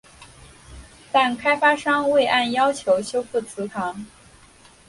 但开发商未按要求修复祠堂。